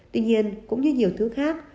tuy nhiên cũng như nhiều thứ khác